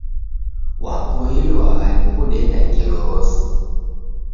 Wapoilwagha ni kudeda ngelo rose